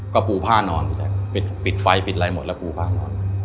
ก็ปูผ้านอนพี่แจ๊คปิดไฟปิดอะไรหมดแล้วปูผ้านอน